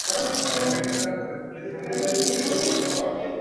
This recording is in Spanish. La ciudad posee una de las fábricas metalúrgicas más antiguas de Ucrania.